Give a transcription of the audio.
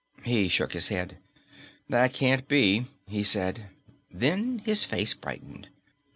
He shook his head. "That can't be," he said. Then his face brightened.